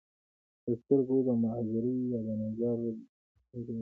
دَسترګو دَمعذورۍ يا دَنظر دَکمزورۍ